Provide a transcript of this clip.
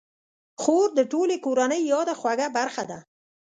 خور د ټولې کورنۍ یاده خوږه برخه ده.